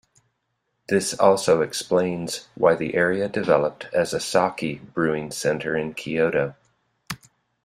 This also explains why the area developed as a sake-brewing center in Kyoto.